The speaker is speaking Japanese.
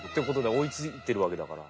おいついてるわけだから。